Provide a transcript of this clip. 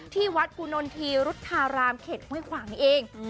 ที่วัดกุนนทีรุษฎารามเข็นเว้ยขวางเอง